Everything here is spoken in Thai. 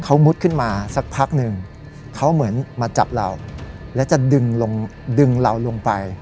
เขามุดขึ้นมาสักพักหนึ่งเขาเหมือนมาจับเราแล้วจะดึงลงดึงเราลงไป